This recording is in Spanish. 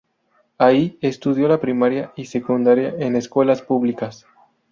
Ahí estudió la primaria y secundaria en escuelas públicas.